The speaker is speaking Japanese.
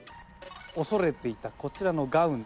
恐れていたこちらのガウン。